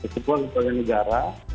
sebuah bagian negara